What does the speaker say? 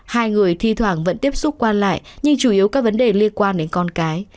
hai người thi thoảng vẫn tiếp xúc qua lại nhưng chủ yếu các vấn đề liên quan đến con cái